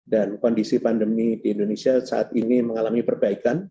kondisi pandemi di indonesia saat ini mengalami perbaikan